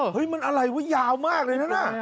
เห้ยมันอะไรว่ายาวมากเลยนะน่ะ